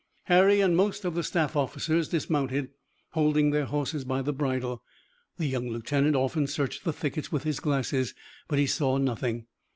Harry and most of the staff officers dismounted, holding their horses by the bridle. The young lieutenant often searched the thickets with his glasses, but he saw nothing.